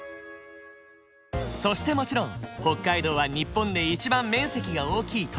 そしてもちろん北海道は日本で一番面積が大きい都道府県。